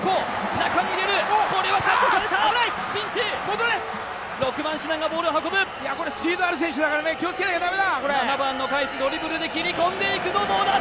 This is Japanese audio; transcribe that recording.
危ない戻れ６番シナンがボールを運ぶスピードある選手だからね気をつけなきゃダメだ７番のカイスドリブルで切り込んでいくぞどうだ？